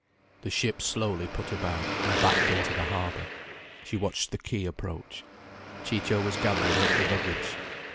The ship slowly put about, and backed into the harbour. She watched the quay approach. Ciccio was gathering up the luggage.